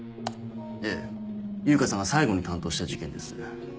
ええ悠香さんが最後に担当した事件です。